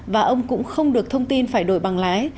và ông cũng không được thông tin phải đổi bằng lái